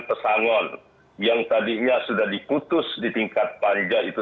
pesangon yang tadinya sudah diputus di tingkat panja itu